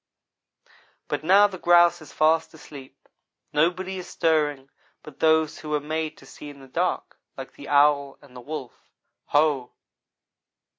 But now the grouse is fast asleep; nobody is stirring but those who were made to see in the dark, like the owl and the wolf. Ho!